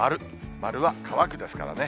丸は乾くですからね。